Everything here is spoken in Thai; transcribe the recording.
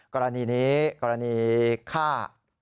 กรณีนี้กรณีฆ่า